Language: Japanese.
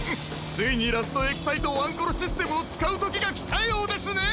ついにラストエキサイトワンコロシステムをつかうときがきたようですね！